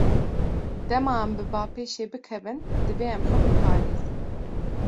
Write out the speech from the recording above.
Dema em bi bapêşê bikevin, divê em xwe biparêzin.